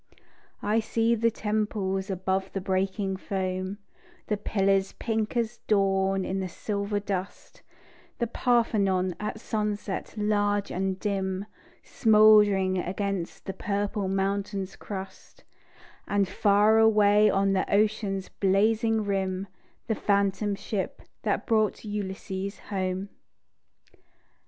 I see the temples above the breaking foam, The pillars pink as dawn in the silver dust; The Parthenon at sunset large and dim, Smouldering against the purple mountain's crust; And far away on the ocean's blazing rim, The phantom ship that brought Ulysses home.